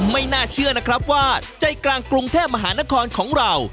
ไม่น่าเชื่อนะครับว่าใจกลางกรุงเทพมหานครของเรา